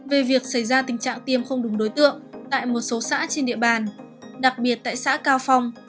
về việc xảy ra tình trạng tiêm không đúng đối tượng tại một số xã trên địa bàn đặc biệt tại xã cao phong